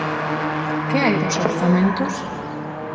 ¿Que hai dos orzamentos?